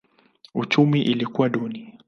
Uchumi ilikuwa duni.